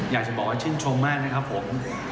อยากจะบอกว่าชื่นชมมากนะครับผม